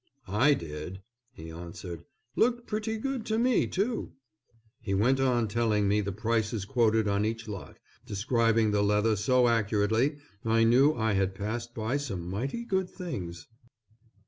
"I did," he answered, "looked pretty good to me too." He went on telling me the prices quoted on each lot, describing the leather so accurately I knew I had passed by some mighty good things.